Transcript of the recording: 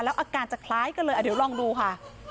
อาการจะคล้ายกันเลยเดี๋ยวลองดูค่ะ